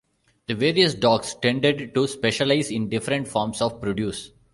The various docks tended to specialise in different forms of produce.